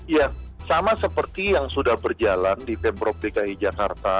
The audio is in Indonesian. ya sama seperti yang sudah berjalan di pemprov dki jakarta